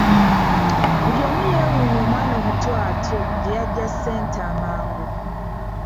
Buli omu yeewuunya omwana omuto atyo gye yaggya ssente amangu.